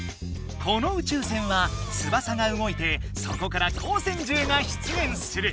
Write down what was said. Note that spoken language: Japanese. この宇宙船は翼が動いてそこから光線じゅうが出現する。